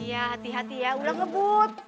iya hati hati ya udah ngebut